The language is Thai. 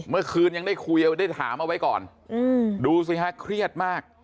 เมื่อคืนยังได้คุยเอาไว้ได้ถามเอาไว้ก่อนดูสิฮะเครียดมาก